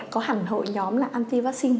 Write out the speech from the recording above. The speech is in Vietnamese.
có hẳn hội nhóm là anti vaccine